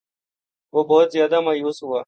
وہ بہت زیادہ مایوس ہوا